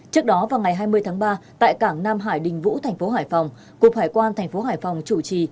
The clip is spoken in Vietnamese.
trước đó vào ngày hai mươi tháng ba tại cảng nam hải đình vũ thành phố hải phòng cục hải quan thành phố hải phòng chủ trì